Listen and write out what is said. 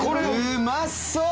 うまそう！